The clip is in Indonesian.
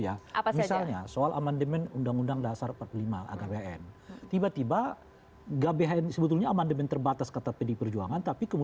tapi pada nasion sim variables ini juga soal hidup gitu